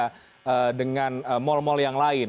atau dengan mal mal yang lain